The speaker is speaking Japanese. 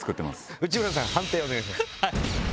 内村さん判定お願いします。